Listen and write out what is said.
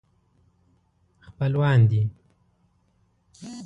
خپلوان دي.